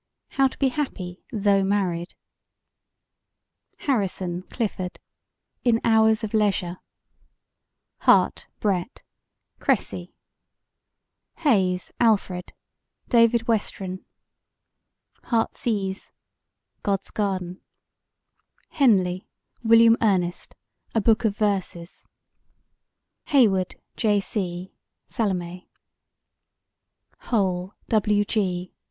How to be Happy Though Married HARRISON, CLIFFORD: In Hours of Leisure HARTE, BRET: Cressy HAYES, ALFRED: David Westren HEARTSEASE: God's Garden HENLEY, WILLIAM ERNEST: A Book of Verses HEYWOOD, J. C.: Salome HOLE, W. G.